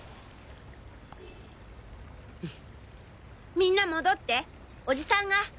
みんな戻っておじさんが。